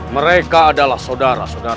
mereka adalah saudara saudara